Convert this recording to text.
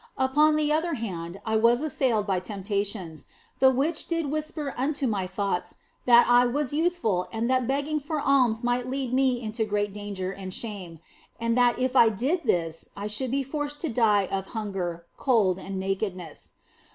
Upon the other hand I was assailed by temptations, the which did whisper unto my thoughts that I was youthful and that begging for alms might lead me into great danger and shame, and that if I did this I should be forced to die of hunger, cold, and nakedness.